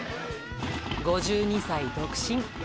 ５２歳独身。